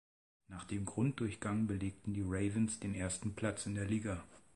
Nach dem Grunddurchgang belegten die "Ravens" den ersten Platz in der Liga.